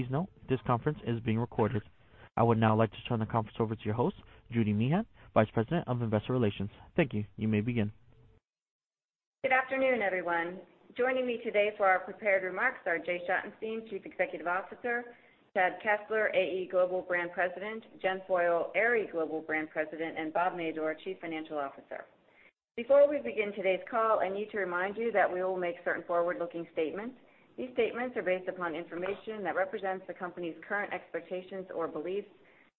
Please note, this conference is being recorded. I would now like to turn the conference over to your host, Judy Meehan, Vice President of Investor Relations. Thank you. You may begin. Good afternoon, everyone. Joining me today for our prepared remarks are Jay Schottenstein, Chief Executive Officer, Chad Kessler, AE Global Brand President, Jennifer Foyle, Aerie Global Brand President, and Bob Madore, Chief Financial Officer. Before we begin today's call, I need to remind you that we will make certain forward-looking statements. These statements are based upon information that represents the company's current expectations or beliefs.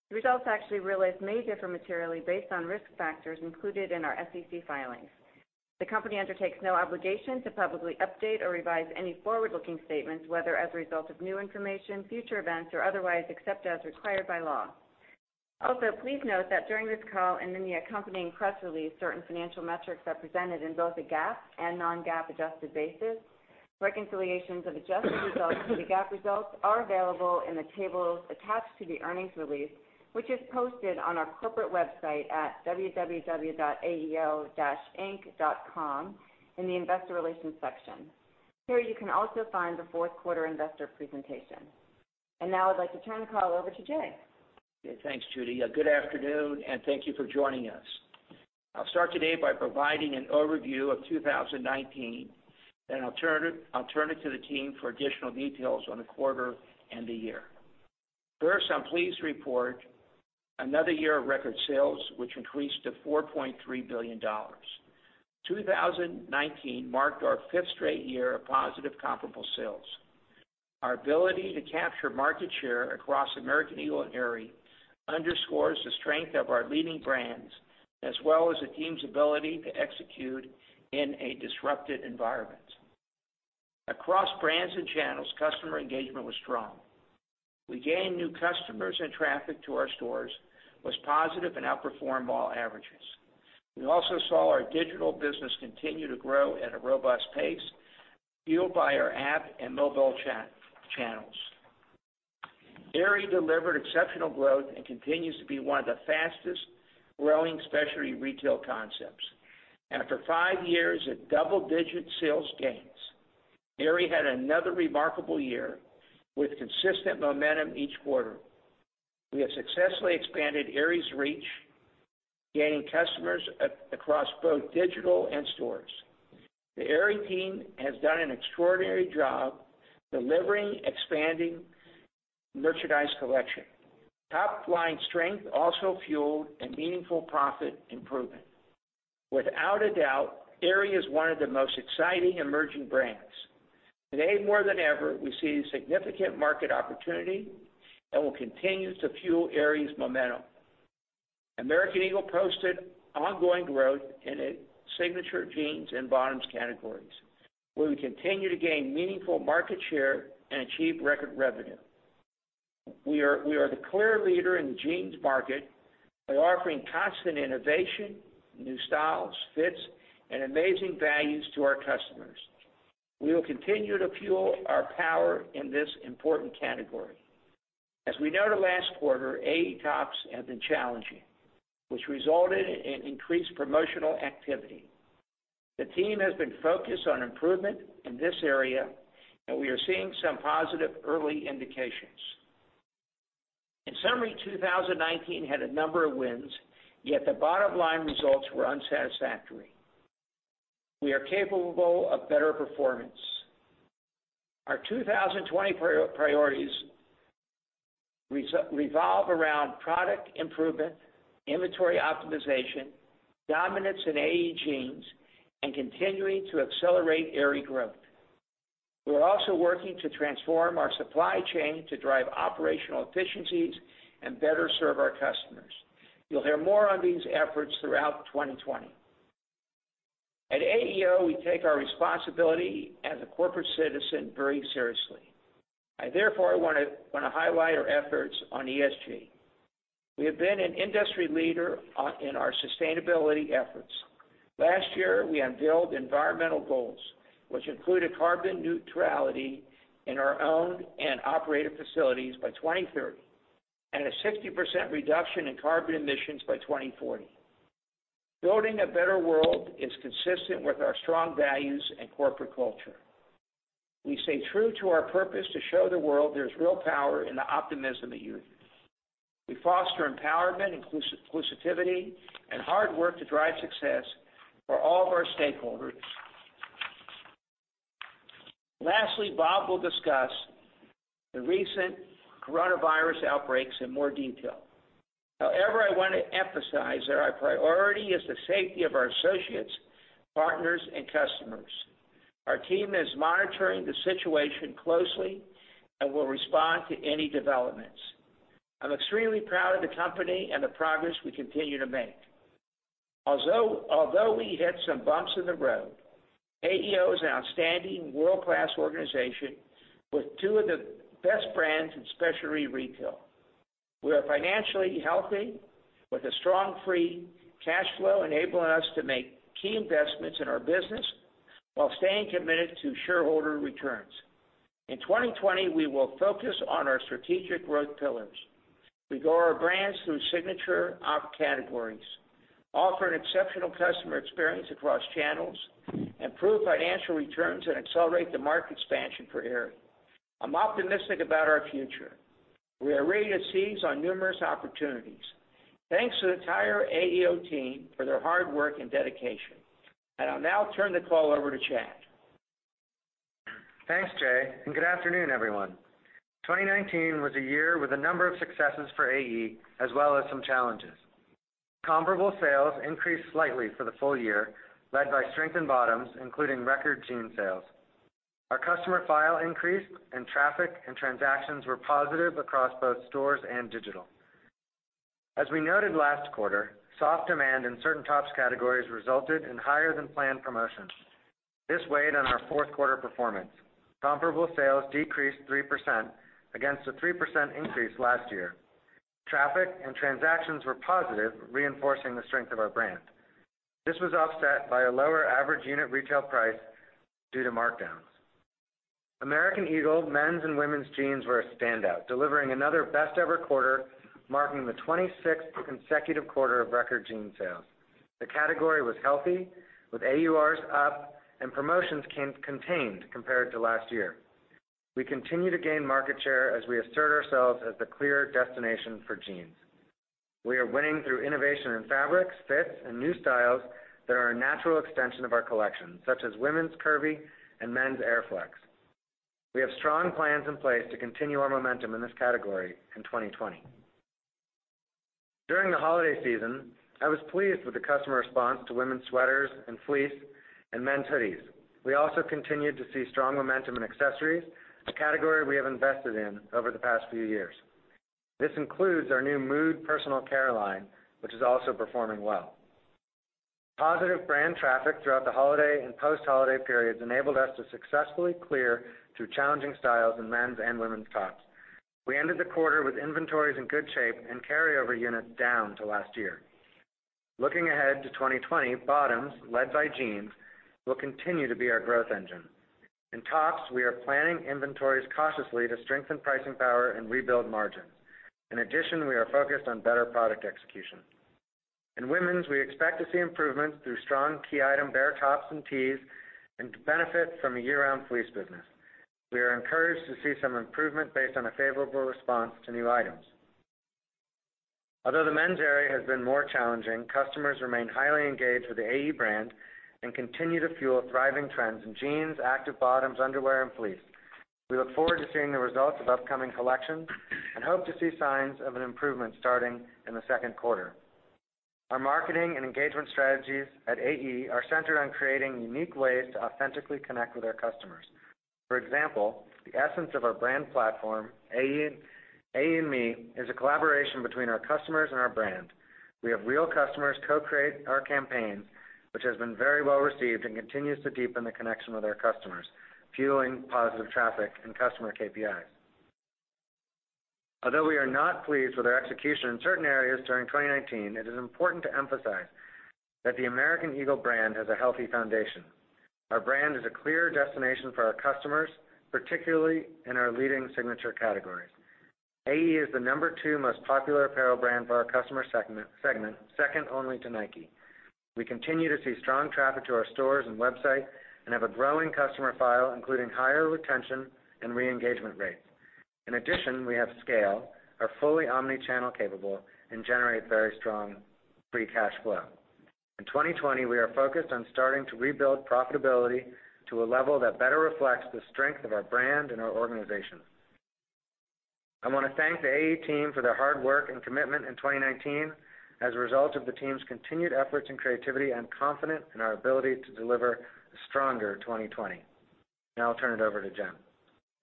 The results actually realized may differ materially based on risk factors included in our SEC filings. The company undertakes no obligation to publicly update or revise any forward-looking statements, whether as a result of new information, future events, or otherwise, except as required by law. Please note that during this call and in the accompanying press release, certain financial metrics are presented in both a GAAP and non-GAAP adjusted basis. Reconciliations of adjusted results to the GAAP results are available in the tables attached to the earnings release, which is posted on our corporate website at www.aeo-inc.com in the investor relations section. Here, you can also find the Q4 investor presentation. Now I'd like to turn the call over to Jay. Okay, thanks, Judy. Good afternoon, and thank you for joining us. I'll start today by providing an overview of 2019, then I'll turn it to the team for additional details on the quarter and the year. First, I'm pleased to report another year of record sales, which increased to $4.3 billion. 2019 marked our fifth straight year of positive comparable sales. Our ability to capture market share across American Eagle and Aerie underscores the strength of our leading brands, as well as the team's ability to execute in a disrupted environment. Across brands and channels, customer engagement was strong. We gained new customers, and traffic to our stores was positive and outperformed mall averages. We also saw our digital business continue to grow at a robust pace, fueled by our app and mobile channels. Aerie delivered exceptional growth and continues to be one of the fastest-growing specialty retail concepts. After five years of double-digit sales gains, Aerie had another remarkable year with consistent momentum each quarter. We have successfully expanded Aerie's reach, gaining customers across both digital and stores. The Aerie team has done an extraordinary job delivering expanding merchandise collection. Top-line strength also fueled a meaningful profit improvement. Without a doubt, Aerie is one of the most exciting emerging brands. Today, more than ever, we see a significant market opportunity and will continue to fuel Aerie's momentum. American Eagle posted ongoing growth in its signature jeans and bottoms categories, where we continue to gain meaningful market share and achieve record revenue. We are the clear leader in the jeans market by offering constant innovation, new styles, fits, and amazing values to our customers. We will continue to fuel our power in this important category. As we noted last quarter, AE tops have been challenging, which resulted in increased promotional activity. The team has been focused on improvement in this area, and we are seeing some positive early indications. In summary, 2019 had a number of wins, yet the bottom-line results were unsatisfactory. We are capable of better performance. Our 2020 priorities revolve around product improvement, inventory optimization, dominance in AE jeans, and continuing to accelerate Aerie growth. We're also working to transform our supply chain to drive operational efficiencies and better serve our customers. You'll hear more on these efforts throughout 2020. At AEO, we take our responsibility as a corporate citizen very seriously. I, therefore, want to highlight our efforts on ESG. We have been an industry leader in our sustainability efforts. Last year, we unveiled environmental goals, which include carbon neutrality in our owned and operated facilities by 2030 and a 60% reduction in carbon emissions by 2040. Building a better world is consistent with our strong values and corporate culture. We stay true to our purpose to show the world there's real power in the optimism of youth. We foster empowerment, inclusivity, and hard work to drive success for all of our stakeholders. Lastly, Bob will discuss the recent coronavirus outbreaks in more detail. I want to emphasize that our priority is the safety of our associates, partners, and customers. Our team is monitoring the situation closely and will respond to any developments. I'm extremely proud of the company and the progress we continue to make. We hit some bumps in the road, AEO is an outstanding world-class organization with two of the best brands in specialty retail. We are financially healthy with a strong free cash flow enabling us to make key investments in our business while staying committed to shareholder returns. In 2020, we will focus on our strategic growth pillars. We grow our brands through signature op categories, offer an exceptional customer experience across channels, improve financial returns, and accelerate the market expansion for Aerie. I'm optimistic about our future. We are ready to seize on numerous opportunities. Thanks to the entire AEO team for their hard work and dedication. I'll now turn the call over to Chad. Thanks, Jay, and good afternoon, everyone. 2019 was a year with a number of successes for AE, as well as some challenges. Comparable sales increased slightly for the full-year, led by strength in bottoms, including record jean sales. Our customer file increased, and traffic and transactions were positive across both stores and digital. As we noted last quarter, soft demand in certain tops categories resulted in higher than planned promotions. This weighed on our Q4 performance. Comparable sales decreased 3% against a 3% increase last year. Traffic and transactions were positive, reinforcing the strength of our brand. This was offset by a lower average unit retail price due to markdowns. American Eagle men's and women's jeans were a standout, delivering another best-ever quarter, marking the 26th consecutive quarter of record jean sales. The category was healthy, with AURs up and promotions contained compared to last year. We continue to gain market share as we assert ourselves as the clear destination for jeans. We are winning through innovation in fabrics, fits, and new styles that are a natural extension of our collection, such as women's curvy and men's AirFlex. We have strong plans in place to continue our momentum in this category in 2020. During the holiday season, I was pleased with the customer response to women's sweaters and fleece and men's hoodies. We also continued to see strong momentum in accessories, a category we have invested in over the past few years. This includes our new MOOD personal care line, which is also performing well. Positive brand traffic throughout the holiday and post-holiday periods enabled us to successfully clear through challenging styles in men's and women's tops. We ended the quarter with inventories in good shape and carryover units down to last year. Looking ahead to 2020, bottoms, led by jeans, will continue to be our growth engine. In tops, we are planning inventories cautiously to strengthen pricing power and rebuild margins. In addition, we are focused on better product execution. In women's, we expect to see improvements through strong key item bare tops and tees and to benefit from a year-round fleece business. We are encouraged to see some improvement based on a favorable response to new items. Although the men's area has been more challenging, customers remain highly engaged with the AE brand and continue to fuel thriving trends in jeans, active bottoms, underwear, and fleece. We look forward to seeing the results of upcoming collections and hope to see signs of an improvement starting in the Q2. Our marketing and engagement strategies at AE are centered on creating unique ways to authentically connect with our customers. For example, the essence of our brand platform, AE&Me, is a collaboration between our customers and our brand. We have real customers co-create our campaigns, which has been very well received and continues to deepen the connection with our customers, fueling positive traffic and customer KPIs. Although we are not pleased with our execution in certain areas during 2019, it is important to emphasize that the American Eagle brand has a healthy foundation. Our brand is a clear destination for our customers, particularly in our leading signature categories. AE is the number two most popular apparel brand for our customer segment, second only to Nike. We continue to see strong traffic to our stores and website and have a growing customer file, including higher retention and re-engagement rates. In addition, we have scale, are fully omni-channel capable, and generate very strong free cash flow. In 2020, we are focused on starting to rebuild profitability to a level that better reflects the strength of our brand and our organization. I want to thank the AE team for their hard work and commitment in 2019. As a result of the team's continued efforts and creativity, I'm confident in our ability to deliver a stronger 2020. Now I'll turn it over to Jen.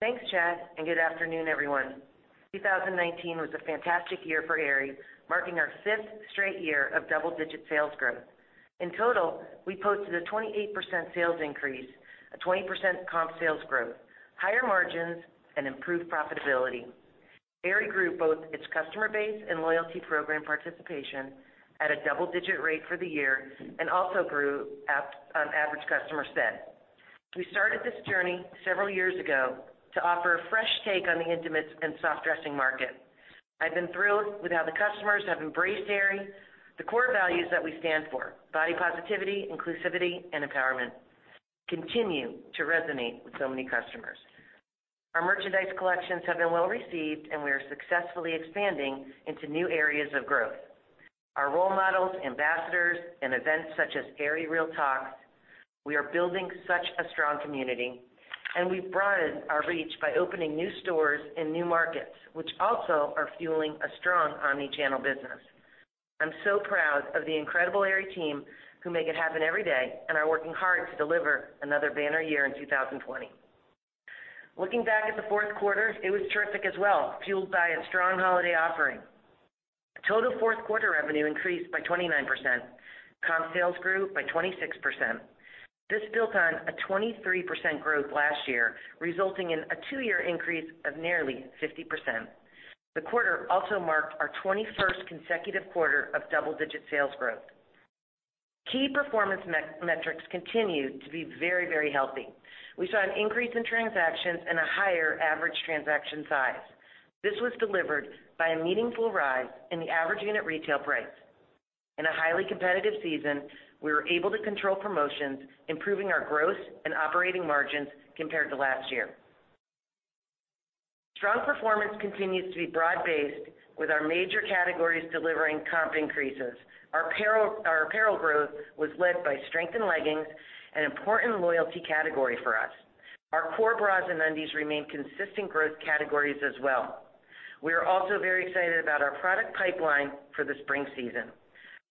Thanks, Chad. Good afternoon, everyone. 2019 was a fantastic year for Aerie, marking our fifth straight year of double-digit sales growth. In total, we posted a 28% sales increase, a 20% comp sales growth, higher margins, and improved profitability. Aerie grew both its customer base and loyalty program participation at a double-digit rate for the year and also grew on average customer spend. We started this journey several years ago to offer a fresh take on the intimates and soft dressing market. I've been thrilled with how the customers have embraced Aerie. The core values that we stand for, body positivity, inclusivity, and empowerment, continue to resonate with so many customers. Our merchandise collections have been well-received, and we are successfully expanding into new areas of growth. Our role models, ambassadors, and events such as Aerie Real Talks, we are building such a strong community. We've broadened our reach by opening new stores in new markets, which also are fueling a strong omni-channel business. I'm so proud of the incredible Aerie team who make it happen every day and are working hard to deliver another banner year in 2020. Looking back at the Q4, it was terrific as well, fueled by a strong holiday offering. Total Q4 revenue increased by 29%. Comp sales grew by 26%. This built on a 23% growth last year, resulting in a two-year increase of nearly 50%. The quarter also marked our 21st consecutive quarter of double-digit sales growth. Key performance metrics continued to be very healthy. We saw an increase in transactions and a higher average transaction size. This was delivered by a meaningful rise in the average unit retail price. In a highly competitive season, we were able to control promotions, improving our gross and operating margins compared to last year. Strong performance continues to be broad-based, with our major categories delivering comp increases. Our apparel growth was led by strength in leggings, an important loyalty category for us. Our core bras and undies remained consistent growth categories as well. We are also very excited about our product pipeline for the spring season.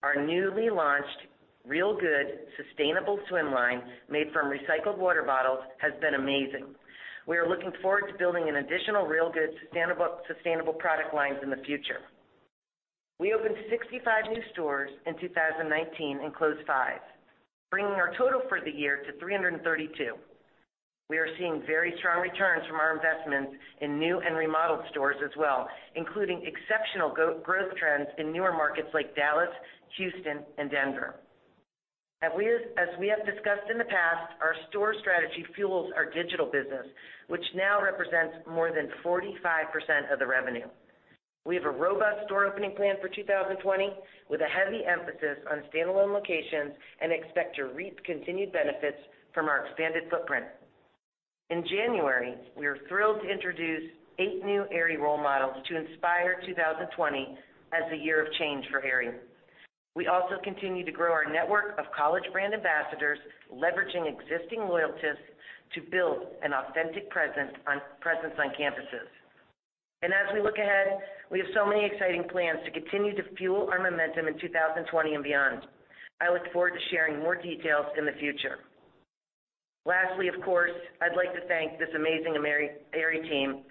Our newly launched Real Good sustainable swim line, made from recycled water bottles, has been amazing. We are looking forward to building additional Real Good sustainable product lines in the future. We opened 65 new stores in 2019 and closed five, bringing our total for the year to 332. We are seeing very strong returns from our investments in new and remodeled stores as well, including exceptional growth trends in newer markets like Dallas, Houston, and Denver. As we have discussed in the past, our store strategy fuels our digital business, which now represents more than 45% of the revenue. We have a robust store opening plan for 2020 with a heavy emphasis on standalone locations and expect to reap continued benefits from our expanded footprint. In January, we are thrilled to introduce eight new Aerie role models to inspire 2020 as the year of change for Aerie. We also continue to grow our network of college brand ambassadors, leveraging existing loyalties to build an authentic presence on campuses. As we look ahead, we have so many exciting plans to continue to fuel our momentum in 2020 and beyond. I look forward to sharing more details in the future. Lastly, of course, I'd like to thank this amazing Aerie team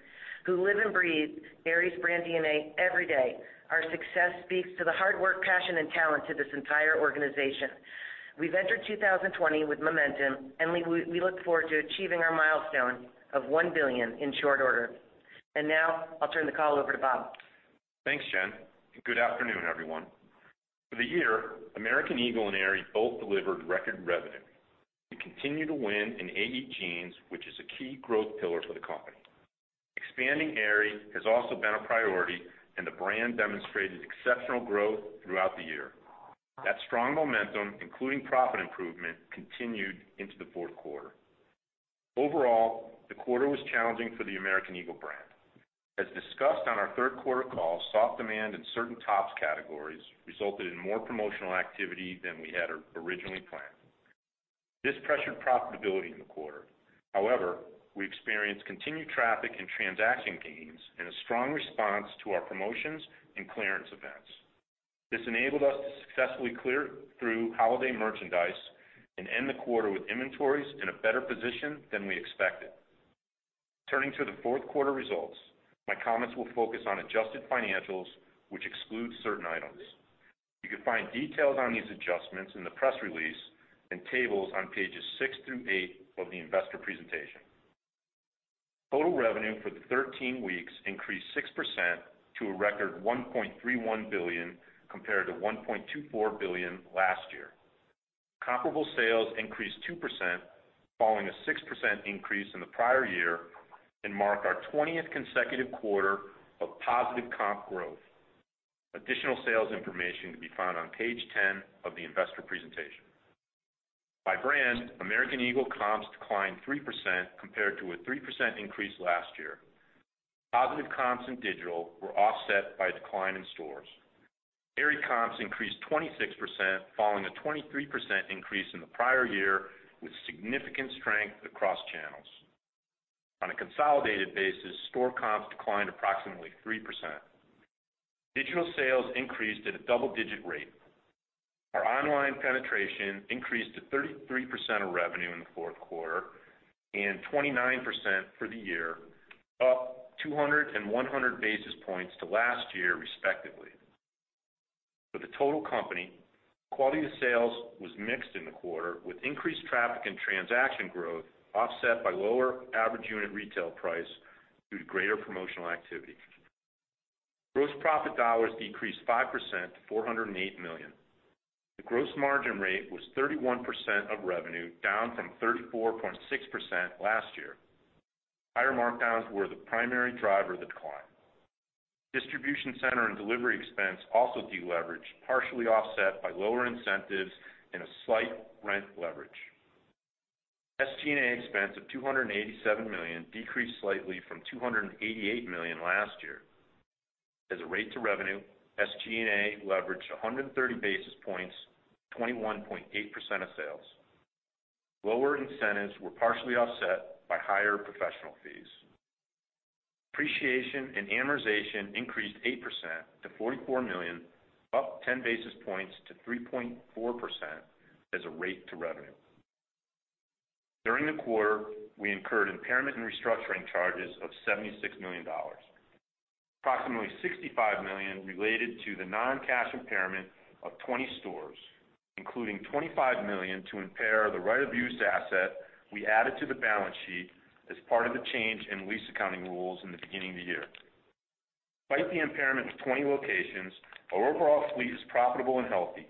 who live and breathe Aerie's brand DNA every day. Our success speaks to the hard work, passion, and talent of this entire organization. We've entered 2020 with momentum, and we look forward to achieving our milestone of $1 billion in short order. Now I'll turn the call over to Bob. Thanks, Jen. Good afternoon, everyone. For the year, American Eagle and Aerie both delivered record revenue. We continue to win in AE jeans, which is a key growth pillar for the company. Expanding Aerie has also been a priority, and the brand demonstrated exceptional growth throughout the year. That strong momentum, including profit improvement, continued into the Q4. Overall, the quarter was challenging for the American Eagle brand. As discussed on our Q3 call, soft demand in certain tops categories resulted in more promotional activity than we had originally planned. This pressured profitability in the quarter. However, we experienced continued traffic and transaction gains and a strong response to our promotions and clearance events. This enabled us to successfully clear through holiday merchandise and end the quarter with inventories in a better position than we expected. Turning to the Q4 results, my comments will focus on adjusted financials, which excludes certain items. You can find details on these adjustments in the press release and tables on pages six through eight of the investor presentation. Total revenue for the 13 weeks increased 6% to a record $1.31 billion, compared to $1.24 billion last year. Comparable sales increased 2%, following a 6% increase in the prior year, mark our 20th consecutive quarter of positive comp growth. Additional sales information can be found on page 10 of the investor presentation. By brand, American Eagle comps declined 3% compared to a 3% increase last year. Positive comps in digital were offset by a decline in stores. Aerie comps increased 26%, following a 23% increase in the prior year, with significant strength across channels. On a consolidated basis, store comps declined approximately 3%. Digital sales increased at a double-digit rate. Our online penetration increased to 33% of revenue in the Q4 and 29% for the year, up 200 and 100 basis points to last year respectively. For the total company, quality of sales was mixed in the quarter with increased traffic and transaction growth offset by lower average unit retail price due to greater promotional activity. Gross profit dollars decreased 5% to $408 million. The gross margin rate was 31% of revenue, down from 34.6% last year. Higher markdowns were the primary driver of the decline. Distribution center and delivery expense also deleveraged, partially offset by lower incentives and a slight rent leverage. SG&A expense of $287 million decreased slightly from $288 million last year. As a rate to revenue, SG&A leveraged 130 basis points to 21.8% of sales. Lower incentives were partially offset by higher professional fees. Depreciation and amortization increased 8% to $44 million, up 10 basis points to 3.4% as a rate to revenue. During the quarter, we incurred impairment and restructuring charges of $76 million. Approximately $65 million related to the non-cash impairment of 20 stores, including $25 million to impair the right-of-use asset we added to the balance sheet as part of the change in lease accounting rules in the beginning of the year. Despite the impairment of 20 locations, our overall fleet is profitable and healthy.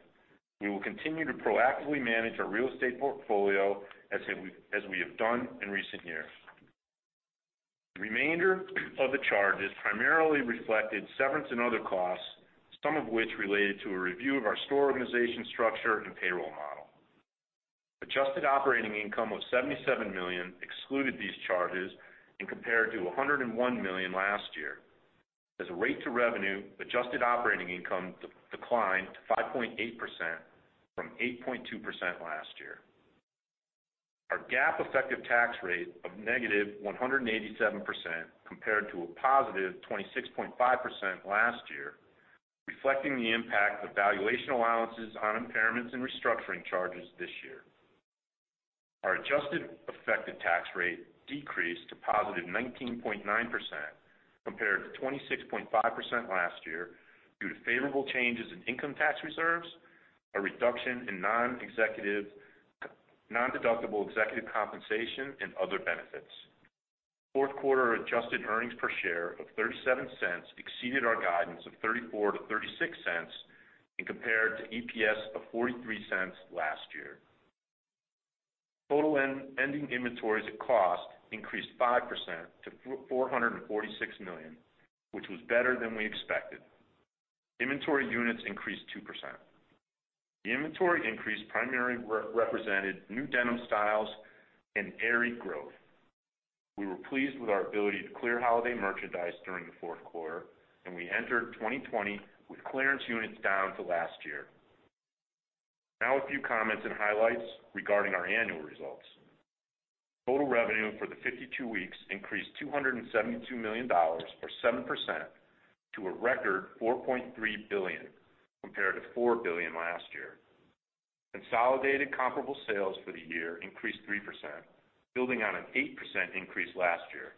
We will continue to proactively manage our real estate portfolio as we have done in recent years. The remainder of the charges primarily reflected severance and other costs, some of which related to a review of our store organization structure and payroll model. Adjusted operating income of $77 million excluded these charges and compared to $101 million last year. As a rate to revenue, adjusted operating income declined to 5.8% from 8.2% last year. Our GAAP effective tax rate of -187%, compared to a +26.5% last year, reflecting the impact of valuation allowances on impairments and restructuring charges this year. Our adjusted effective tax rate decreased to positive 19.9%, compared to 26.5% last year, due to favorable changes in income tax reserves, a reduction in non-deductible executive compensation, and other benefits. Q4 adjusted earnings per share of $0.37 exceeded our guidance of $0.34-$0.36 and compared to EPS of $0.43 last year. Total ending inventories at cost increased 5% to $446 million, which was better than we expected. Inventory units increased 2%. The inventory increase primarily represented new denim styles and Aerie growth. We were pleased with our ability to clear holiday merchandise during the Q4, and we entered 2020 with clearance units down to last year. A few comments and highlights regarding our annual results. Total revenue for the 52 weeks increased $272 million, or 7%, to a record $4.3 billion, compared to $4 billion last year. Consolidated comparable sales for the year increased 3%, building on an 8% increase last year.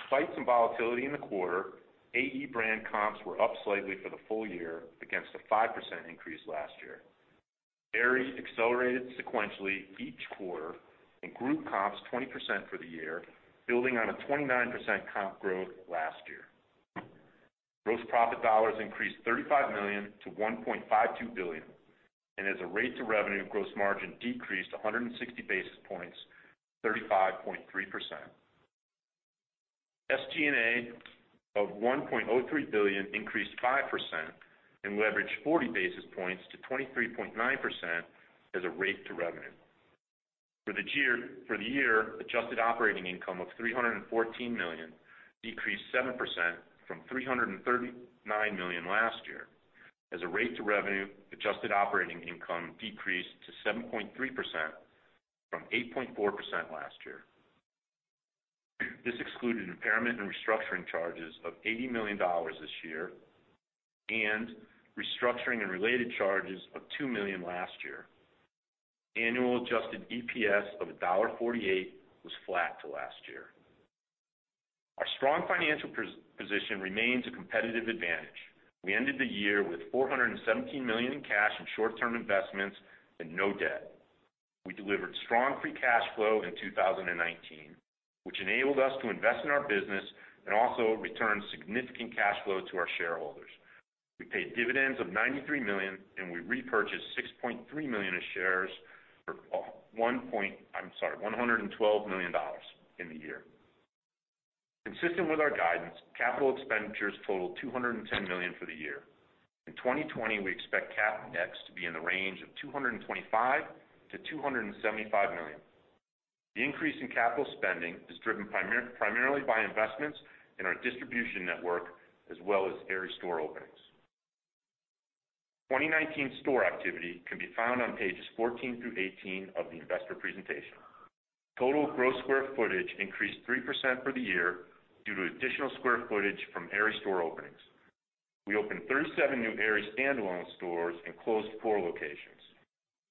Despite some volatility in the quarter, AE brand comps were up slightly for the full-year against a 5% increase last year. Aerie accelerated sequentially each quarter and grew comps 20% for the year, building on a 29% comp growth last year. Gross profit dollars increased $35 million to $1.52 billion and as a rate to revenue, gross margin decreased 160 basis points to 35.3%. SG&A of $1.03 billion increased 5% and leveraged 40 basis points to 23.9% as a rate to revenue. For the year, adjusted operating income of $314 million decreased 7% from $339 million last year. As a rate to revenue, adjusted operating income decreased to 7.3% from 8.4% last year. This excluded impairment and restructuring charges of $80 million this year and restructuring and related charges of $2 million last year. Annual adjusted EPS of $1.48 was flat to last year. Our strong financial position remains a competitive advantage. We ended the year with $417 million in cash and short-term investments and no debt. We delivered strong free cash flow in 2019, which enabled us to invest in our business and also return significant cash flow to our shareholders. We paid dividends of $93 million, and we repurchased $6.3 million of shares for $112 million in the year. Consistent with our guidance, capital expenditures totaled $210 million for the year. In 2020, we expect CapEx to be in the range of $225 million-$275 million. The increase in capital spending is driven primarily by investments in our distribution network, as well as Aerie store openings. 2019 store activity can be found on pages 14 through 18 of the investor presentation. Total gross square footage increased 3% for the year due to additional square footage from Aerie store openings. We opened 37 new Aerie standalone stores and closed four locations.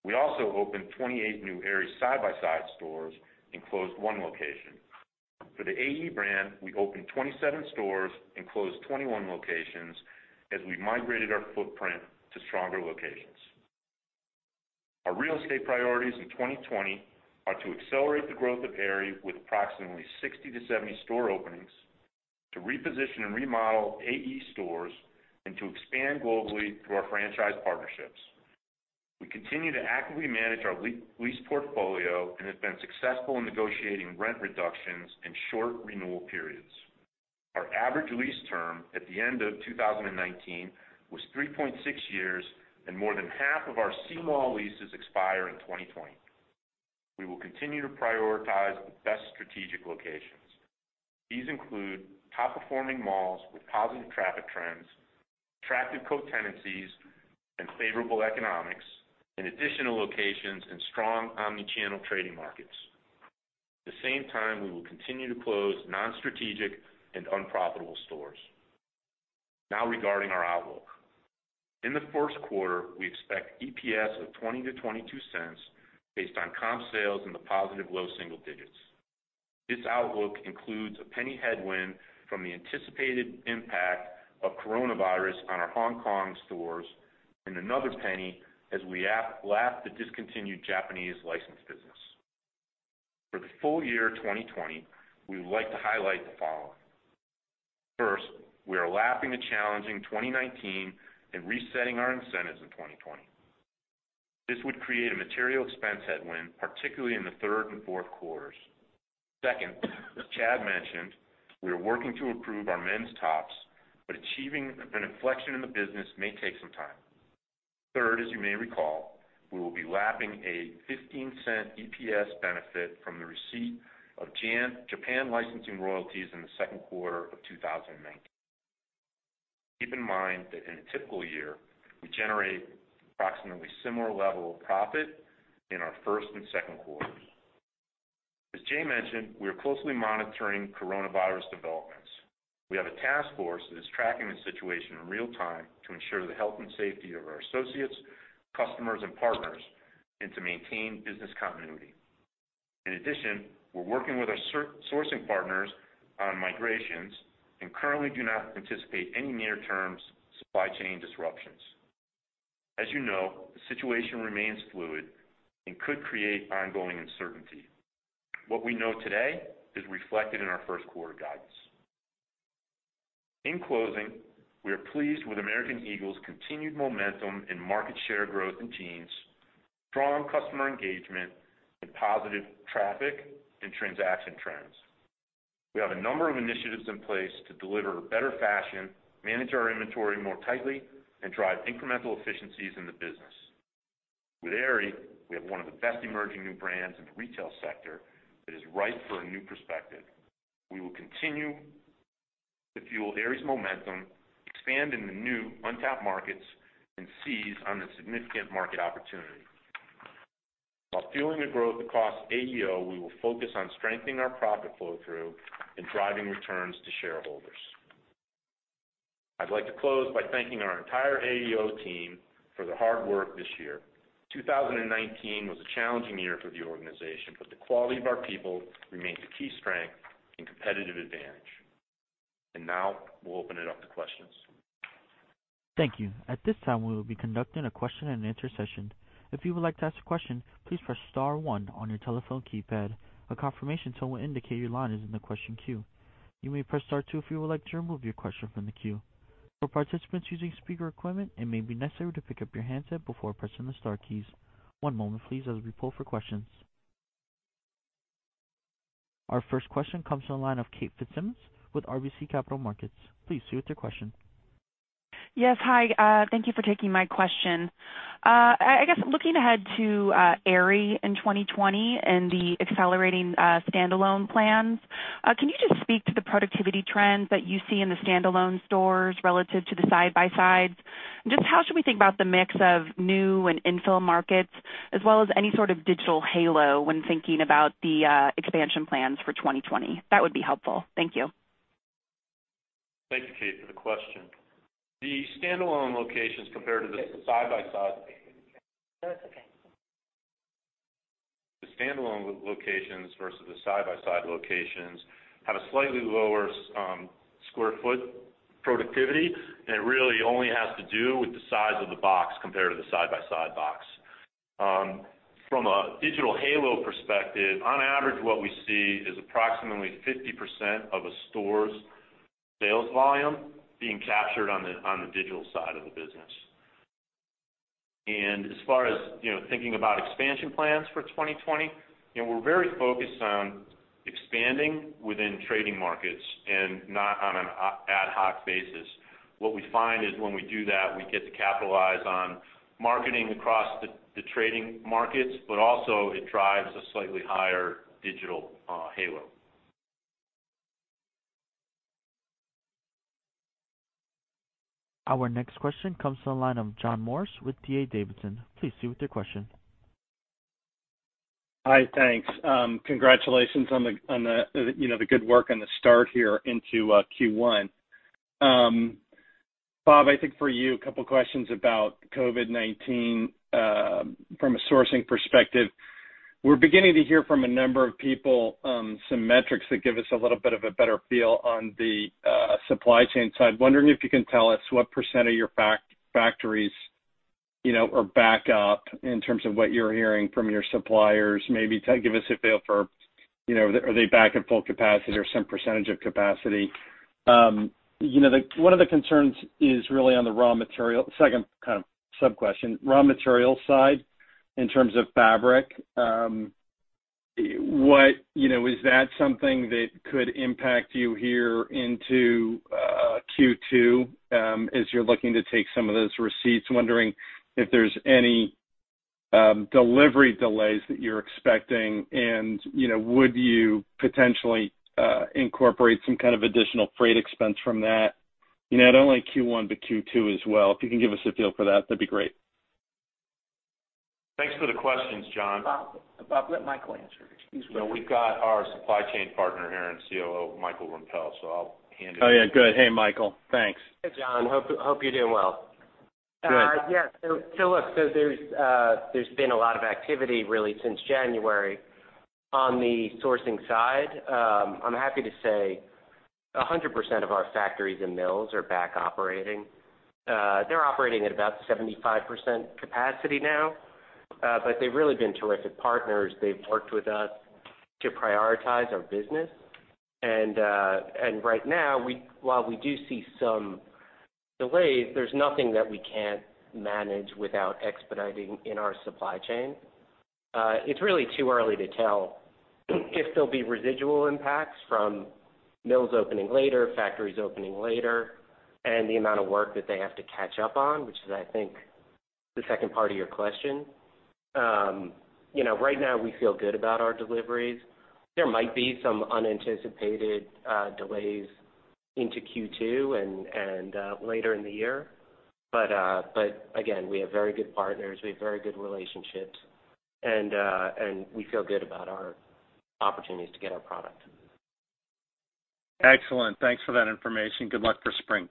We also opened 28 new Aerie side-by-side stores and closed one location. For the AE brand, we opened 27 stores and closed 21 locations as we migrated our footprint to stronger locations. Our real estate priorities in 2020 are to accelerate the growth of Aerie with approximately 60 to 70 store openings, to reposition and remodel AE stores, and to expand globally through our franchise partnerships. We continue to actively manage our lease portfolio and have been successful in negotiating rent reductions and short renewal periods. Our average lease term at the end of 2019 was 3.6 years, and more than half of our C-mall leases expire in 2020. We will continue to prioritize the best strategic locations. These include top-performing malls with positive traffic trends, attractive co-tenancies, and favorable economics, and additional locations in strong omni-channel trading markets. At the same time, we will continue to close non-strategic and unprofitable stores. Regarding our outlook. In the Q1, we expect EPS of $0.20-$0.22 based on comp sales in the positive low single digits. This outlook includes a $0.01 headwind from the anticipated impact of coronavirus on our Hong Kong stores and another $0.01 as we lap the discontinued Japanese license business. Full-year 2020, we would like to highlight the following. First, we are lapping a challenging 2019 and resetting our incentives in 2020. This would create a material expense headwind, particularly in the third and Q4s. Second, as Chad Kessler mentioned, we are working to improve our men's tops, but achieving an inflection in the business may take some time. Third, as you may recall, we will be lapping a $0.15 EPS benefit from the receipt of Japan licensing royalties in the Q2 of 2019. Keep in mind that in a typical year, we generate approximately similar level of profit in our first and Q2s. As Jay Schottenstein mentioned, we are closely monitoring coronavirus developments. We have a task force that is tracking the situation in real time to ensure the health and safety of our associates, customers, and partners, and to maintain business continuity. We're working with our sourcing partners on migrations and currently do not anticipate any near-term supply chain disruptions. As you know, the situation remains fluid and could create ongoing uncertainty. What we know today is reflected in our Q1 guidance. In closing, we are pleased with American Eagle's continued momentum in market share growth in jeans, strong customer engagement and positive traffic and transaction trends. We have a number of initiatives in place to deliver better fashion, manage our inventory more tightly, and drive incremental efficiencies in the business. With Aerie, we have one of the best emerging new brands in the retail sector that is ripe for a new perspective. We will continue to fuel Aerie's momentum, expand into new untapped markets, and seize on the significant market opportunity. While fueling the growth across AEO, we will focus on strengthening our profit flow through and driving returns to shareholders. I'd like to close by thanking our entire AEO team for their hard work this year. 2019 was a challenging year for the organization, but the quality of our people remains a key strength and competitive advantage. Now We'll open it up to questions. Thank you. At this time, we will be conducting a question-and-answer session. If you would like to ask a question, please press star one on your telephone keypad. A confirmation tone will indicate your line is in the question queue. You may press star two if you would like to remove your question from the queue. For participants using speaker equipment, it may be necessary to pick up your handset before pressing the star keys. One moment, please, as we poll for questions. Our first question comes from the line of Kate Fitzsimons with RBC Capital Markets. Please proceed with your question. Yes. Hi. Thank you for taking my question. I guess looking ahead to Aerie in 2020 and the accelerating standalone plans, can you just speak to the productivity trends that you see in the standalone stores relative to the side-by-sides? How should we think about the mix of new and infill markets, as well as any sort of digital halo when thinking about the expansion plans for 2020? That would be helpful. Thank you. Thank you, Kate, for the question. The standalone locations compared to the side-by-side locations have a slightly lower square foot productivity, and it really only has to do with the size of the box compared to the side-by-side box. From a digital halo perspective, on average, what we see is approximately 50% of a store's sales volume being captured on the digital side of the business. As far as thinking about expansion plans for 2020, we're very focused on expanding within trading markets and not on an ad hoc basis. What we find is when we do that, we get to capitalize on marketing across the trading markets, but also it drives a slightly higher digital halo. Our next question comes to the line of John Morris with D.A. Davidson. Please proceed with your question. Hi, thanks. Congratulations on the good work on the start here into Q1. Bob, I think for you, a couple questions about COVID-19 from a sourcing perspective. We're beginning to hear from a number of people some metrics that give us a little bit of a better feel on the supply chain side. Wondering if you can tell us what percent of your factories are back up in terms of what you're hearing from your suppliers. Maybe give us a feel for, are they back at full capacity or some percent of capacity? One of the concerns is really on the second sub-question, raw material side in terms of fabric. Is that something that could impact you here into Q2 as you're looking to take some of those receipts? Wondering if there's any delivery delays that you're expecting and would you potentially incorporate some kind of additional freight expense from that, not only Q1, but Q2 as well. If you can give us a feel for that'd be great. Thanks for the questions, John. Bob, let Michael answer. Excuse me. We've got our supply chain partner here and COO, Michael Rempell, so I'll hand it to him. Oh, yeah. Good. Hey, Michael. Thanks. Hey, John. Hope you're doing well. Good. Yeah. Look, there's been a lot of activity really since January on the sourcing side. I'm happy to say, 100% of our factories and mills are back operating. They're operating at about 75% capacity now. They've really been terrific partners. They've worked with us to prioritize our business. Right now, while we do see some delays, there's nothing that we can't manage without expediting in our supply chain. It's really too early to tell if there'll be residual impacts from mills opening later, factories opening later, and the amount of work that they have to catch up on, which is, I think, the second part of your question. Right now, we feel good about our deliveries. There might be some unanticipated delays into Q2 and later in the year. Again, we have very good partners. We have very good relationships, and we feel good about our opportunities to get our product. Excellent. Thanks for that information. Good luck for spring.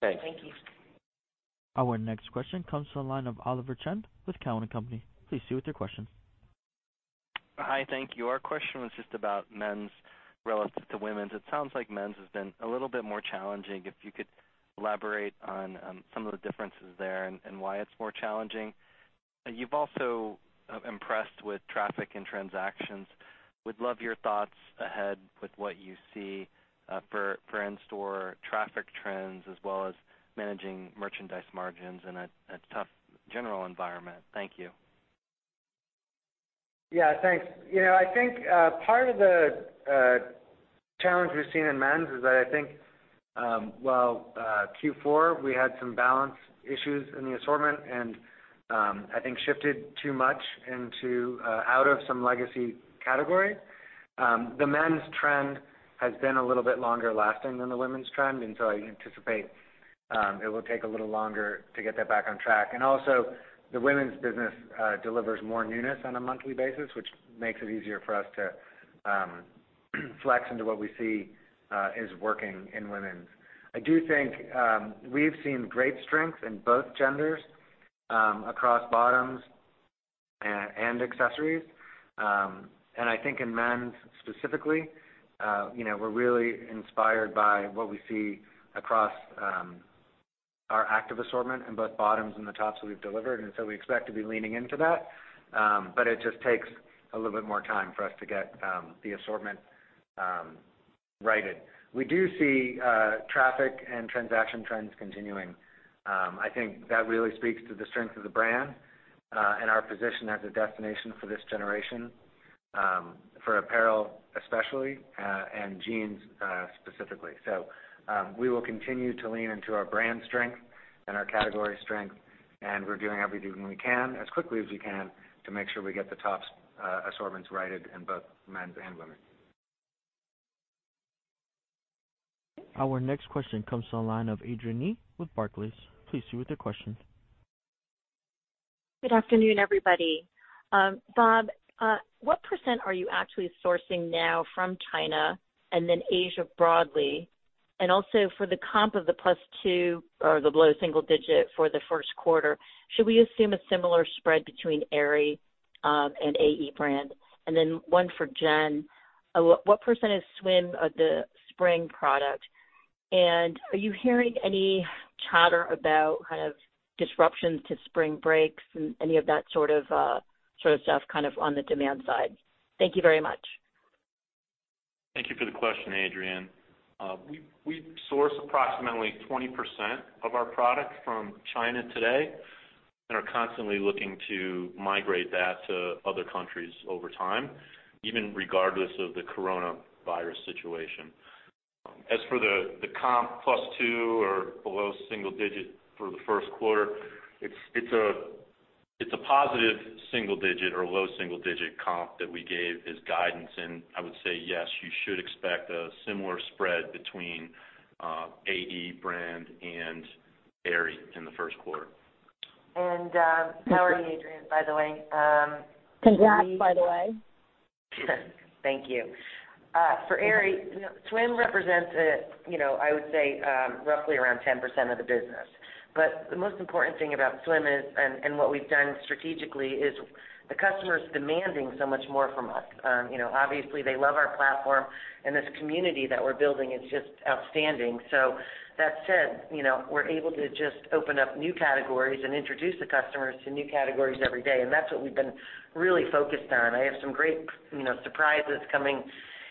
Thanks. Thank you. Our next question comes from the line of Oliver Chen with Cowen and Company. Please proceed with your question. Hi, thank you. Our question was just about men's relative to women's. It sounds like men's has been a little bit more challenging. If you could elaborate on some of the differences there and why it's more challenging. You've also impressed with traffic and transactions. We'd love your thoughts ahead with what you see for in-store traffic trends as well as managing merchandise margins in a tough general environment. Thank you. Yeah, thanks. I think part of the challenge we've seen in men's is that while Q4, we had some balance issues in the assortment and shifted too much out of some legacy category. The men's trend has been a little bit longer lasting than the women's trend. I anticipate it will take a little longer to get that back on track. The women's business delivers more newness on a monthly basis, which makes it easier for us to flex into what we see is working in women's. I do think we've seen great strength in both genders across bottoms and accessories. In men's specifically, we're really inspired by what we see across our active assortment in both bottoms and the tops that we've delivered. We expect to be leaning into that. It just takes a little bit more time for us to get the assortment righted. We do see traffic and transaction trends continuing. I think that really speaks to the strength of the brand, and our position as a destination for this generation, for apparel especially, and jeans specifically. We will continue to lean into our brand strength and our category strength, and we're doing everything we can as quickly as we can to make sure we get the tops assortments righted in both men's and women's. Our next question comes to the line of Adrienne Yih with Barclays. Please proceed with your question. Good afternoon, everybody. Bob, what percent are you actually sourcing now from China and then Asia broadly? Also for the comp of the +2 or the below single-digit for the Q1, should we assume a similar spread between Aerie and AE brand? Then one for Jen. What percent is swim of the spring product? Are you hearing any chatter about disruptions to spring breaks and any of that sort of stuff on the demand side? Thank you very much. Thank you for the question, Adrienne. We source approximately 20% of our product from China today and are constantly looking to migrate that to other countries over time, even regardless of the coronavirus situation. As for the comp +2 or below single-digit for the Q1, it's a positive single-digit or low single-digit comp that we gave as guidance. I would say, yes, you should expect a similar spread between AE brand and Aerie in the Q1. How are you, Adrienne, by the way? Congrats, by the way. Thank you. For Aerie, swim represents, I would say, roughly around 10% of the business. The most important thing about swim is, and what we've done strategically is the customer's demanding so much more from us. Obviously they love our platform, and this community that we're building is just outstanding. That said, we're able to just open up new categories and introduce the customers to new categories every day, and that's what we've been really focused on. I have some great surprises coming.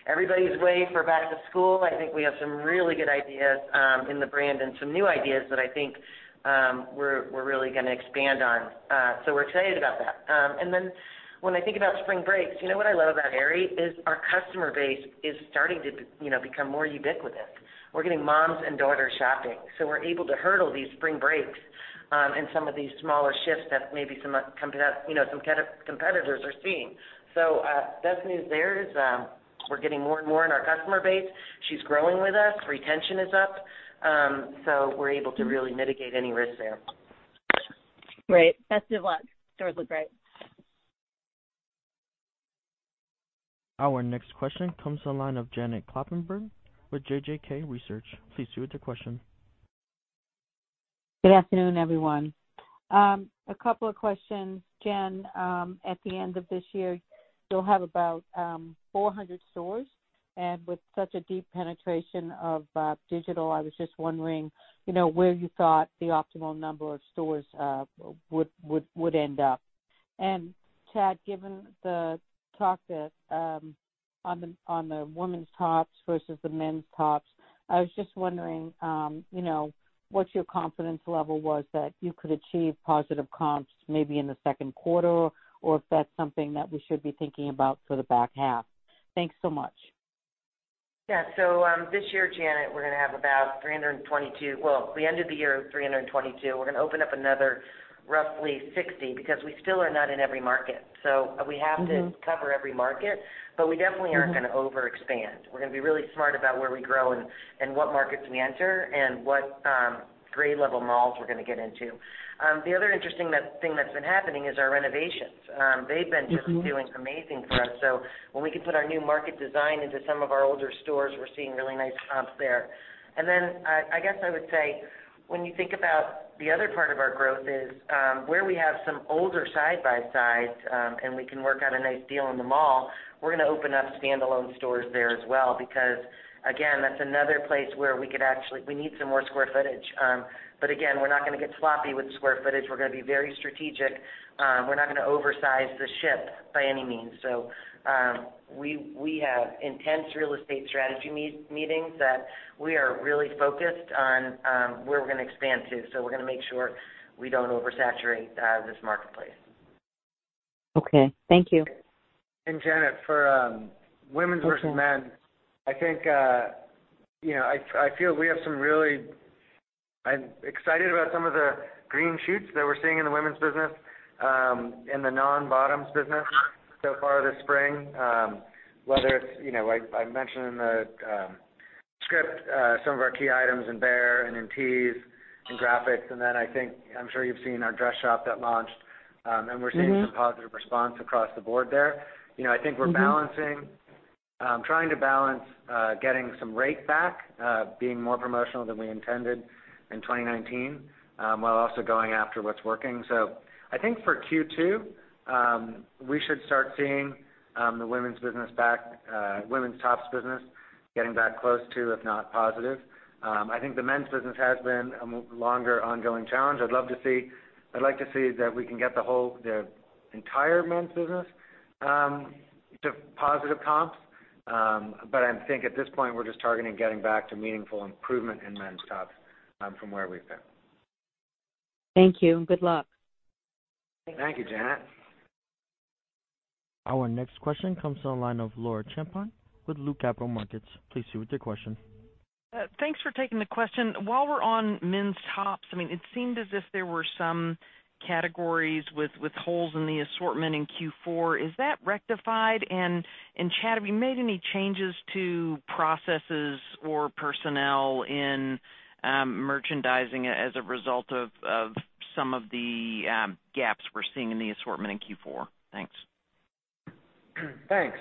Everybody's waiting for back to school. I think we have some really good ideas in the brand and some new ideas that I think we're really going to expand on. We're excited about that. When I think about spring breaks, what I love about Aerie is our customer base is starting to become more ubiquitous. We're getting moms and daughters shopping, we're able to hurdle these spring breaks, and some of these smaller shifts that maybe some competitors are seeing. Best news there is we're getting more and more in our customer base. She's growing with us. Retention is up. We're able to really mitigate any risks there. Great. Best of luck. Stores look great. Our next question comes to the line of Janet Kloppenburg with JJK Research. Please proceed with your question. Good afternoon, everyone. A couple of questions. Jen, at the end of this year, you'll have about 400 stores. With such a deep penetration of digital, I was just wondering where you thought the optimal number of stores would end up. Chad, given the talk on the women's tops versus the men's tops, I was just wondering what your confidence level was that you could achieve positive comps maybe in the Q2, or if that's something that we should be thinking about for the back half. Thanks so much. Yeah. This year, Janet, we're going to have about 322. Well, the end of the year, 322. We're going to open up another, roughly 60, because we still are not in every market. We have to cover every market, but we definitely aren't going to overexpand. We're going to be really smart about where we grow and what markets we enter and what grade-level malls we're going to get into. The other interesting thing that's been happening is our renovations. They've been just doing amazing for us. When we can put our new market design into some of our older stores, we're seeing really nice comps there. Then, I guess I would say, when you think about the other part of our growth is where we have some older side-by-sides, and we can work out a nice deal in the mall, we're going to open up standalone stores there as well. Again, that's another place where we need some more square footage. Again, we're not going to get sloppy with square footage. We're going to be very strategic. We're not going to oversize the ship by any means. We have intense real estate strategy meetings that we are really focused on where we're going to expand to. We're going to make sure we don't oversaturate this marketplace. Okay. Thank you. Janet, for women's versus men's, I'm excited about some of the green shoots that we're seeing in the women's business, in the non-bottoms business so far this spring. Whether it's, I mentioned in the script some of our key items in bare and in tees and graphics. Then I think I'm sure you've seen our dress shop that launched. We're seeing some positive response across the board there. I think we're trying to balance getting some rate back, being more promotional than we intended in 2019, while also going after what's working. I think for Q2, we should start seeing the women's tops business getting back close to, if not positive. I think the men's business has been a longer ongoing challenge. I'd like to see that we can get the entire men's business to positive comps. I think at this point, we're just targeting getting back to meaningful improvement in men's tops from where we've been. Thank you. Good luck. Thank you, Janet. Our next question comes to the line of Laura Champine with Loop Capital Markets. Please proceed with your question. Thanks for taking the question. While we're on men's tops, it seemed as if there were some categories with holes in the assortment in Q4. Is that rectified? Chad, have you made any changes to processes or personnel in merchandising as a result of some of the gaps we're seeing in the assortment in Q4? Thanks. Thanks.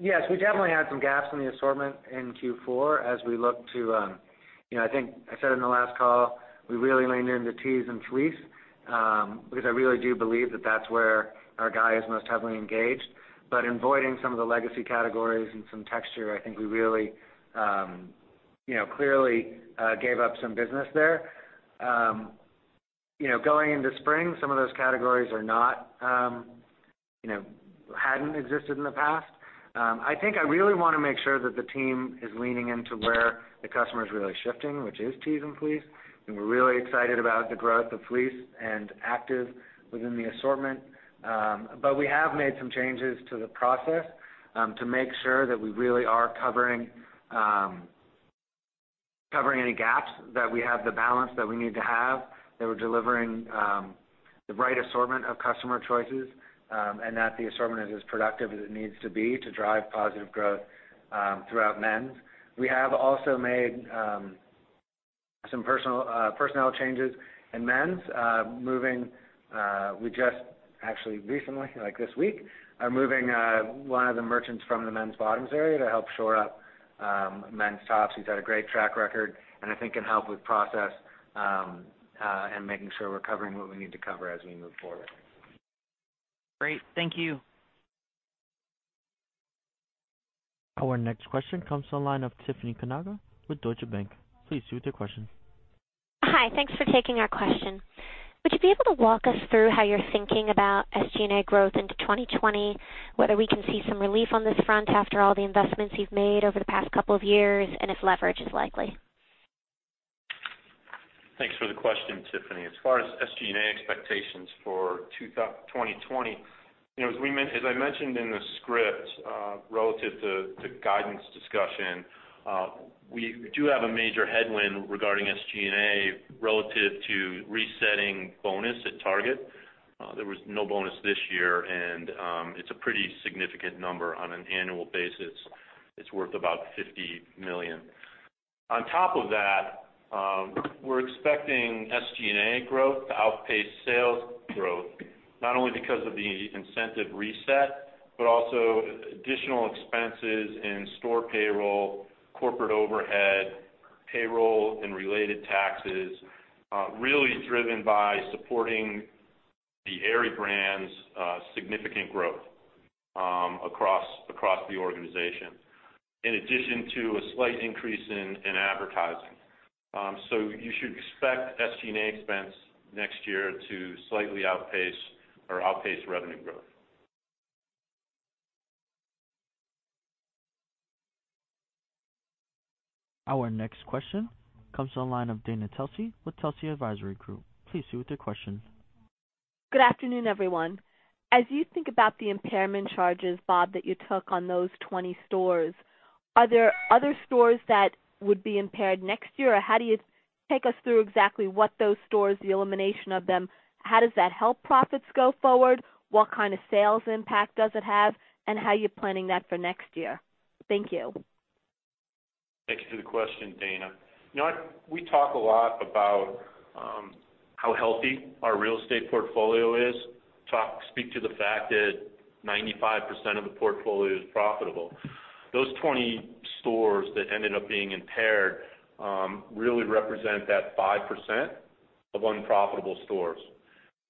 Yes, we definitely had some gaps in the assortment in Q4 as we look to I think I said in the last call, we really leaned into tees and fleece, because I really do believe that that's where our guy is most heavily engaged. In voiding some of the legacy categories and some texture, I think we really clearly gave up some business there. Going into spring, some of those categories hadn't existed in the past. I think I really want to make sure that the team is leaning into where the customer is really shifting, which is tees and fleece. We're really excited about the growth of fleece and active within the assortment. We have made some changes to the process to make sure that we really are covering any gaps, that we have the balance that we need to have, that we're delivering the right assortment of customer choices, and that the assortment is as productive as it needs to be to drive positive growth throughout men's. We have also made some personnel changes in men's. We just actually recently, like this week, are moving one of the merchants from the men's bottoms area to help shore up men's tops. He's had a great track record and I think can help with process and making sure we're covering what we need to cover as we move forward. Great. Thank you. Our next question comes to the line of Tiffany Kanaga with Deutsche Bank. Please proceed with your question. Hi. Thanks for taking our question. Would you be able to walk us through how you're thinking about SG&A growth into 2020, whether we can see some relief on this front after all the investments you've made over the past couple of years, and if leverage is likely? Thanks for the question, Tiffany. As far as SG&A expectations for 2020, as I mentioned in the script relative to guidance discussion, we do have a major headwind regarding SG&A relative to resetting bonus at Target. There was no bonus this year, and it's a pretty significant number on an annual basis. It's worth about $50 million. On top of that, we're expecting SG&A growth to outpace sales growth. Not only because of the incentive reset, but also additional expenses in store payroll, corporate overhead, payroll and related taxes, really driven by supporting the Aerie brand's significant growth across the organization, in addition to a slight increase in advertising. You should expect SG&A expense next year to slightly outpace or outpace revenue growth. Our next question comes to the line of Dana Telsey with Telsey Advisory Group. Please proceed with your question. Good afternoon, everyone. As you think about the impairment charges, Bob, that you took on those 20 stores, are there other stores that would be impaired next year? How do you take us through exactly what those stores, the elimination of them, how does that help profits go forward? What kind of sales impact does it have, and how are you planning that for next year? Thank you. Thank you for the question, Dana. We talk a lot about how healthy our real estate portfolio is. Speak to the fact that 95% of the portfolio is profitable. Those 20 stores that ended up being impaired, really represent that 5% of unprofitable stores.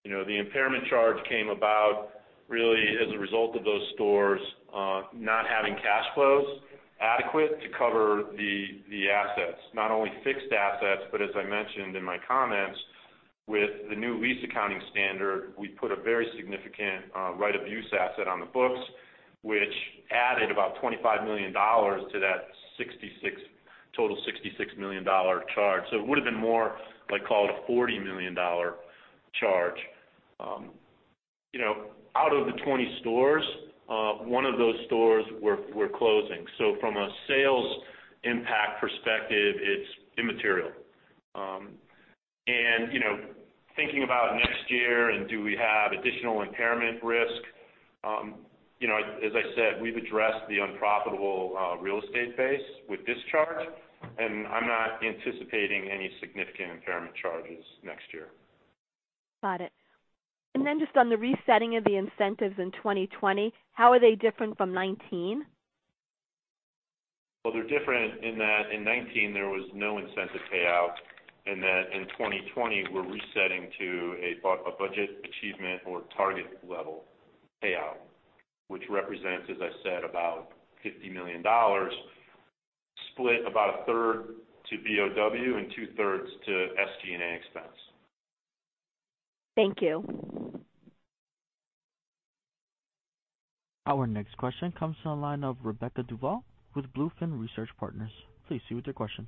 The impairment charge came about really as a result of those stores not having cash flows adequate to cover the assets, not only fixed assets, but as I mentioned in my comments, with the new lease accounting standard, we put a very significant right-of-use asset on the books, which added about $25 million to that total $66 million charge. It would've been more like, call it a $40 million charge. Out of the 20 stores, one of those stores we're closing. From a sales impact perspective, it's immaterial. Thinking about next year and do we have additional impairment risk, as I said, we've addressed the unprofitable real estate base with this charge, and I'm not anticipating any significant impairment charges next year. Got it. Just on the resetting of the incentives in 2020, how are they different from 2019? Well, they're different in that in 2019 there was no incentive payout, and that in 2020 we're resetting to a budget achievement or target level payout, which represents, as I said, about $50 million, split about a third to BOW and two thirds to SG&A expense. Thank you. Our next question comes to the line of Rebecca Duval with BlueFin Research Partners. Please proceed with your question.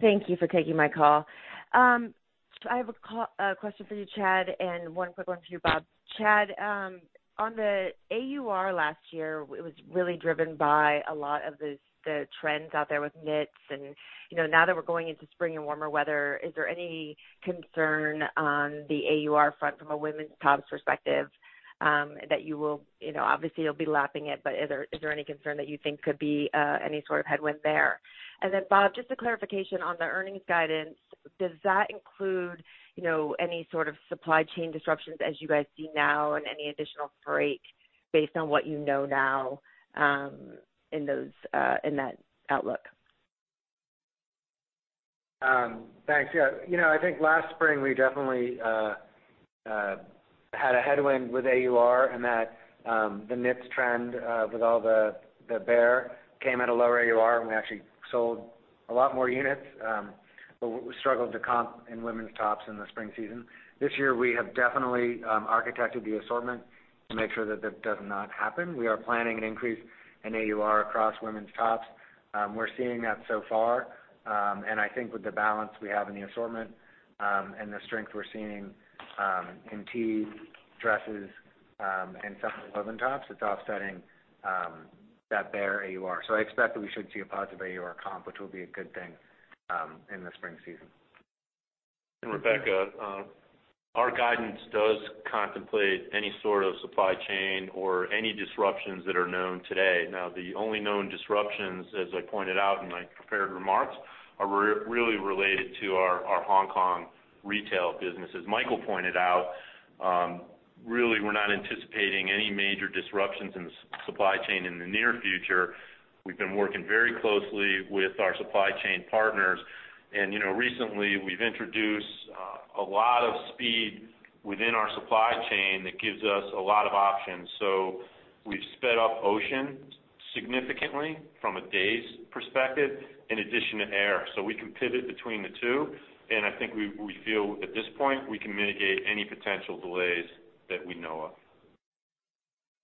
Thank you for taking my call. I have a question for you, Chad, and one quick one for you, Bob. Chad, on the AUR last year, it was really driven by a lot of the trends out there with knits. Now that we're going into spring and warmer weather, is there any concern on the AUR front from a women's tops perspective, that you will Obviously you'll be lapping it, but is there any concern that you think could be any sort of headwind there? Bob, just a clarification on the earnings guidance. Does that include any sort of supply chain disruptions as you guys see now and any additional freight based on what you know now in that outlook? Thanks. I think last spring we definitely had a headwind with AUR in that the knits trend with all the bralette came at a lower AUR, and we actually sold a lot more units. We struggled to comp in women's tops in the spring season. This year, we have definitely architected the assortment to make sure that that does not happen. We are planning an increase in AUR across women's tops. We're seeing that so far. I think with the balance we have in the assortment, and the strength we're seeing in tees, dresses, and some woven tops, it's offsetting that bralette AUR. I expect that we should see a positive AUR comp which will be a good thing in the spring season. Rebecca, our guidance does contemplate any sort of supply chain or any disruptions that are known today. The only known disruptions, as I pointed out in my prepared remarks, are really related to our Hong Kong retail business. As Michael pointed out, really, we're not anticipating any major disruptions in the supply chain in the near future. We've been working very closely with our supply chain partners, and recently we've introduced a lot of speed within our supply chain that gives us a lot of options. We've sped up ocean significantly from a days perspective in addition to air. We can pivot between the two. I think we feel at this point, we can mitigate any potential delays that we know of.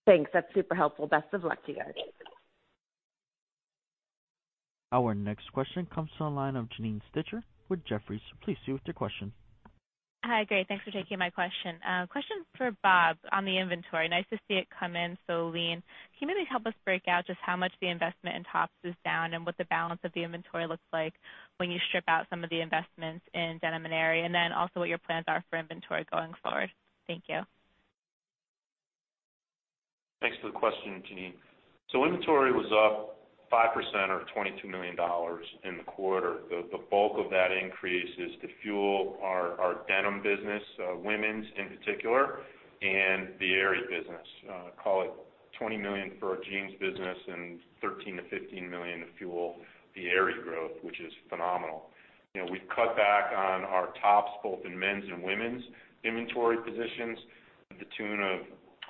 Thanks. That's super helpful. Best of luck to you guys. Our next question comes to the line of Janine Stichter with Jefferies. Please proceed with your question. Hi, great. Thanks for taking my question. Question for Bob on the inventory. Nice to see it come in so lean. Can you maybe help us break out just how much the investment in tops is down and what the balance of the inventory looks like when you strip out some of the investments in denim and Aerie? Also what your plans are for inventory going forward. Thank you. Thanks for the question, Janine. Inventory was up 5% or $22 million in the quarter. The bulk of that increase is to fuel our denim business, women's in particular, and the Aerie business. Call it $20 million for our jeans business and $13 million-$15 million to fuel the Aerie growth, which is phenomenal. We've cut back on our tops, both in men's and women's inventory positions to the tune of,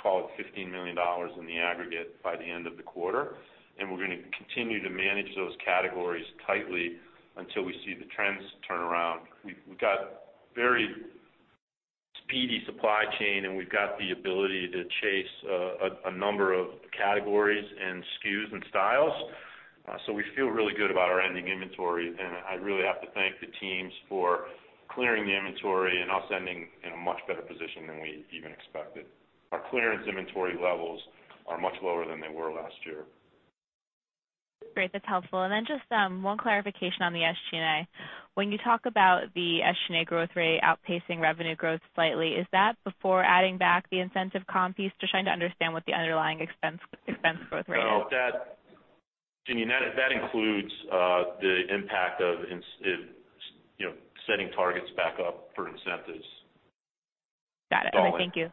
call it $15 million in the aggregate by the end of the quarter. We're going to continue to manage those categories tightly until we see the trends turn around. We've got very speedy supply chain, and we've got the ability to chase a number of categories and SKUs and styles. We feel really good about our ending inventory, and I really have to thank the teams for clearing the inventory and us ending in a much better position than we even expected. Our clearance inventory levels are much lower than they were last year. Great. That's helpful. Just one clarification on the SG&A. When you talk about the SG&A growth rate outpacing revenue growth slightly, is that before adding back the incentive comp piece? Just trying to understand what the underlying expense growth rate is. No. Janine, that includes the impact of setting targets back up for incentives. Got it. Okay, thank you.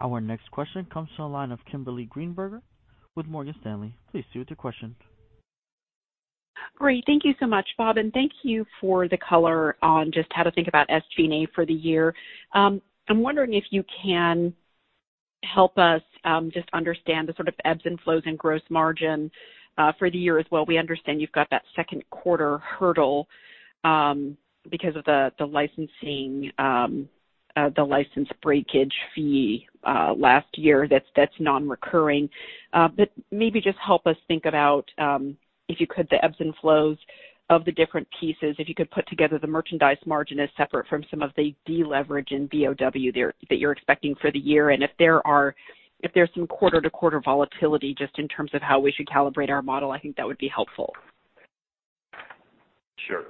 Yep. Our next question comes from the line of Kimberly Greenberger with Morgan Stanley. Please proceed with your question. Great. Thank you so much, Bob, and thank you for the color on just how to think about SG&A for the year. I'm wondering if you can help us just understand the sort of ebbs and flows in gross margin for the year as well. We understand you've got that Q2 hurdle because of the licensing, the license breakage fee, last year that's non-recurring. Maybe just help us think about if you could the ebbs and flows of the different pieces. If you could put together the merchandise margin as separate from some of the deleverage in BOW that you're expecting for the year, and if there's some quarter-to-quarter volatility, just in terms of how we should calibrate our model. I think that would be helpful. Sure.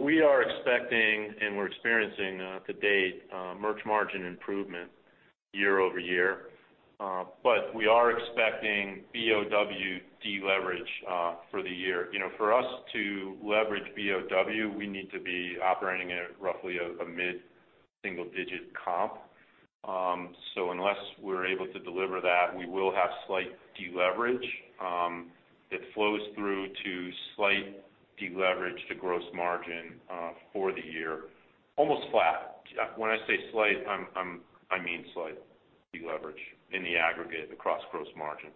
We are expecting, and we're experiencing to date, merch margin improvement year-over-year. We are expecting BOW deleverage for the year. For us to leverage BOW, we need to be operating at roughly a mid-single digit comp. Unless we're able to deliver that, we will have slight deleverage, that flows through to slight deleverage to gross margin for the year, almost flat. When I say slight, I mean slight deleverage in the aggregate across gross margin.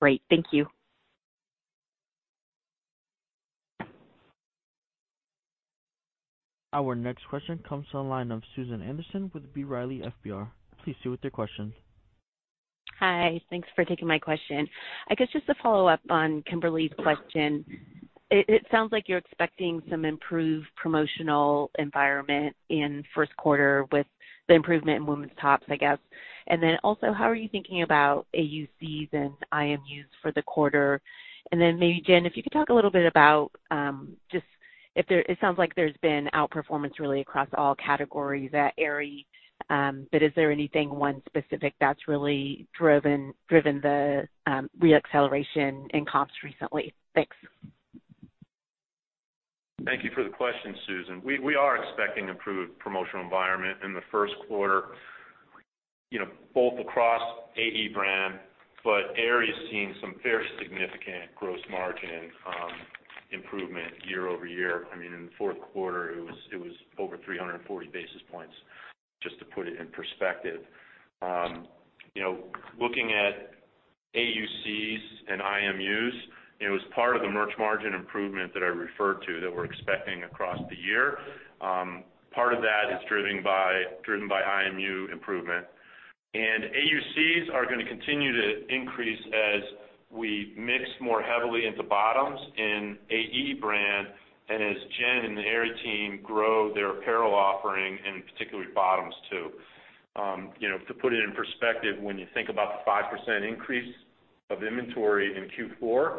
Great. Thank you. Our next question comes from the line of Susan Anderson with B. Riley FBR. Please proceed with your question. Hi. Thanks for taking my question. I guess just to follow up on Kimberly's question, it sounds like you're expecting some improved promotional environment in Q1 with the improvement in women's tops, I guess. How are you thinking about AUCs and IMUs for the quarter? Jen, if you could talk a little bit about, it sounds like there's been outperformance really across all categories at Aerie. Is there anything, one specific that's really driven the re-acceleration in comps recently? Thanks. Thank you for the question, Susan. We are expecting improved promotional environment in the Q1, both across AE brand, but Aerie is seeing some very significant gross margin improvement year-over-year. In the Q4, it was over 340 basis points, just to put it in perspective. Looking at AUCs and IMUs, it was part of the merch margin improvement that I referred to that we're expecting across the year. Part of that is driven by IMU improvement. AUCs are gonna continue to increase as we mix more heavily into bottoms in AE brand and as Jen and the Aerie team grow their apparel offering, and particularly bottoms too. To put it in perspective, when you think about the 5% increase of inventory in Q4,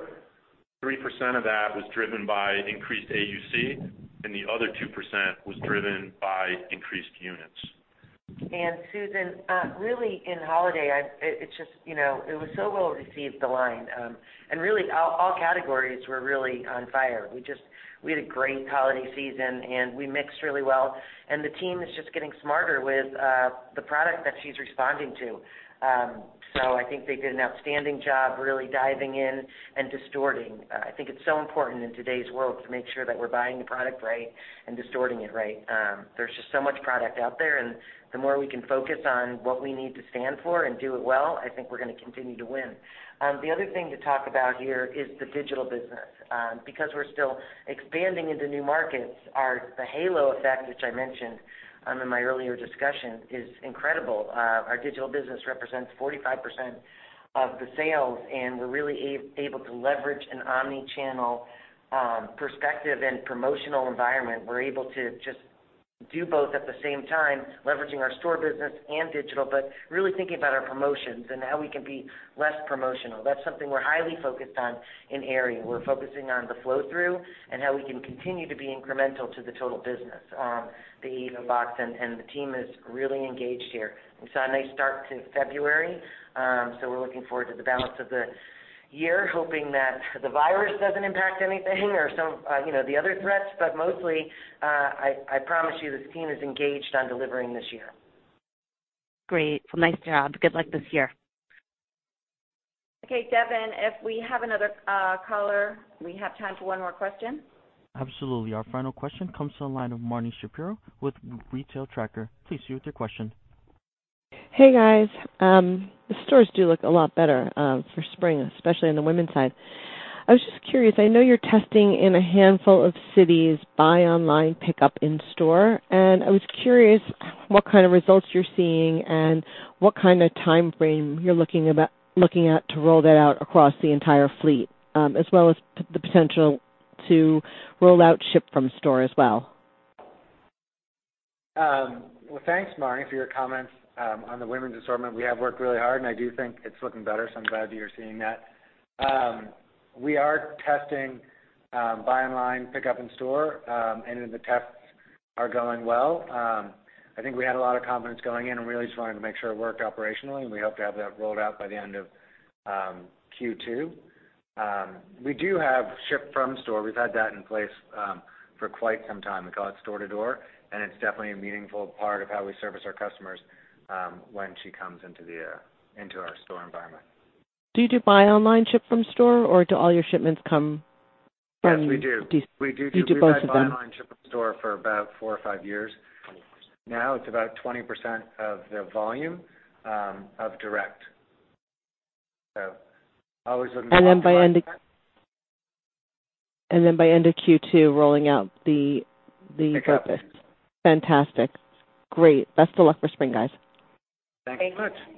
3% of that was driven by increased AUC, and the other 2% was driven by increased units. Susan, really in holiday, it was so well received, the line. Really all categories were really on fire. We had a great holiday season, and we mixed really well. The team is just getting smarter with the product that she's responding to. I think they did an outstanding job really diving in and distorting. I think it's so important in today's world to make sure that we're buying the product right and distorting it right. There's just so much product out there, and the more we can focus on what we need to stand for and do it well, I think we're going to continue to win. The other thing to talk about here is the digital business. Because we're still expanding into new markets, the halo effect, which I mentioned in my earlier discussion, is incredible. Our digital business represents 45% of the sales, and we're really able to leverage an omni-channel perspective and promotional environment. We're able to just do both at the same time, leveraging our store business and digital, but really thinking about our promotions and how we can be less promotional. That's something we're highly focused on in Aerie. We're focusing on the flow-through and how we can continue to be incremental to the total business, the box, and the team is really engaged here. It's a nice start to February. We're looking forward to the balance of the year, hoping that the virus doesn't impact anything or some of the other threats. Mostly, I promise you this team is engaged on delivering this year. Great. Well, nice job. Good luck this year. Okay, Devin, if we have another caller, we have time for one more question. Absolutely. Our final question comes from the line of Marni Shapiro with The Retail Tracker. Please share with your question. Hey, guys. The stores do look a lot better for spring, especially on the women's side. I was just curious, I know you're testing in a handful of cities buy online, pickup in-store, and I was curious what kind of results you're seeing and what kind of timeframe you're looking at to roll that out across the entire fleet, as well as the potential to roll out ship from store as well. Well, thanks, Marni, for your comments on the women's assortment. We have worked really hard, and I do think it's looking better, so I'm glad you're seeing that. We are testing buy online, pickup in-store, and the tests are going well. I think we had a lot of confidence going in and we really just wanted to make sure it worked operationally, and we hope to have that rolled out by the end of Q2. We do have ship from store. We've had that in place for quite some time. We call it store-to-door, and it's definitely a meaningful part of how we service our customers when she comes into our store environment. Do you do buy online, ship from store, or do all your shipments come from-? Yes, we do. Do you do both of them? We've had buy online, ship to store for about four or five years now. It's about 20% of the volume of direct. Always looking to optimize that. By end of Q2, rolling out the... Pick up in store. Fantastic. Great. Best of luck for spring, guys. Thanks. Thanks much.